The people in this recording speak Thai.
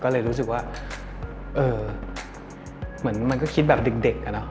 ก็เลยรู้สึกว่าเออเหมือนมันก็คิดแบบเด็กอะเนาะ